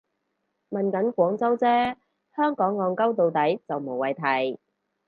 問緊廣州啫，香港戇 𨳊 到底就無謂提